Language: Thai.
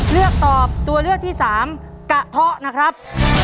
เลือกตอบตัวเลือกที่สามกะเทาะนะครับ